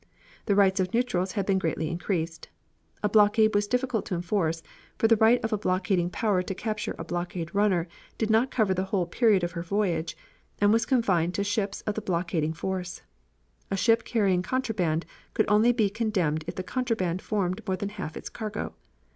The rights of neutrals had been greatly increased. A blockade was difficult to enforce, for the right of a blockading power to capture a blockade runner did not cover the whole period of her voyage, and was confined to ships of the blockading force. A ship carrying contraband could only be condemned if the contraband formed more than half its cargo.